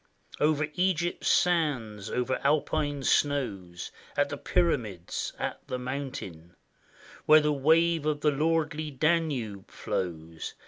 Over Egypt's sands, over Alpine snows, At the Pyramids, at the mountain, Where the wave of the lordly Danube flows.